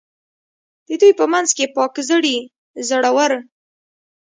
د دوی په منځ کې پاک زړي، زړه ور.